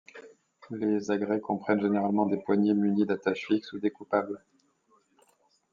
Les agrès comprennent généralement des poignées munies d'attaches fixes ou découplables.